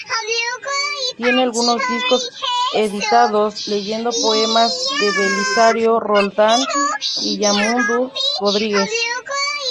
Tiene algunos discos editados, leyendo poemas de Belisario Roldán y Yamandú Rodríguez.